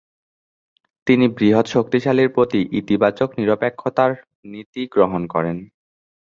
তিনি বৃহৎ শক্তিগুলির প্রতি "ইতিবাচক নিরপেক্ষতা"-র নীতি গ্রহণ করেন।